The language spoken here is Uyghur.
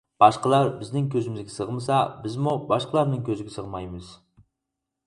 باشقىلار بىزنىڭ كۆزىمىزگە سىغمىسا، بىزمۇ باشقىلارنىڭ كۆزىگە سىغمايمىز.